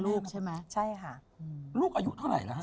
ลูกอายุเท่าไหร่ละคะ